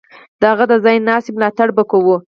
د هغه د ځای ناستي ملاتړ به کوو.